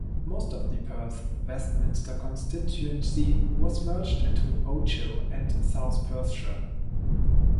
Most of the Perth Westminster constituency was merged into Ochil and South Perthshire.